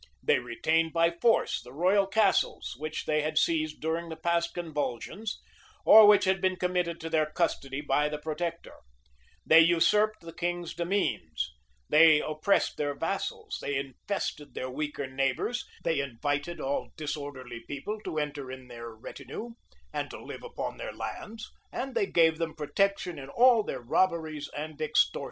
They retained by force the royal castles, which they had seized during the past convulsions, or which had been committed to their custody by the protector;[] they usurped the king's demesnes;[] they oppressed their vassals; they infested their weaker neighbors; they invited all disorderly people to enter in their retinue, and to live upon their lands; and they gave them protection in all their robberies and extortions.